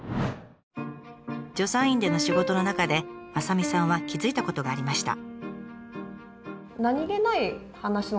助産院での仕事の中で雅美さんは気付いたことがありました。